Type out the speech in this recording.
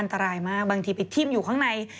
อันตรายมากบางทีไปทิ้มอยู่ข้างใน